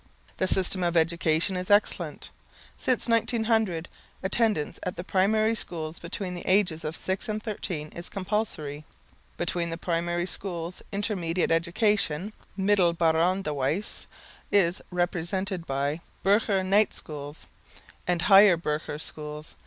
The system of education is excellent. Since 1900 attendance at the primary schools between the ages of six and thirteen is compulsory. Between the primary schools intermediate education (middelbaaronderwijs) is represented by "burgher night schools" and "higher burgher schools."